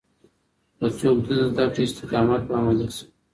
که څوک دين زده کړي، استقامت به يې عملي شي.